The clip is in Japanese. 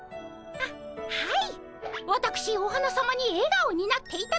はっはい。